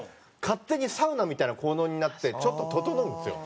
勝手にサウナみたいな効能になってちょっとととのうんですよ。